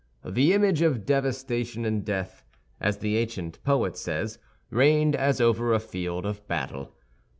"The image of devastation and death," as the ancient poet says, "reigned as over a field of battle."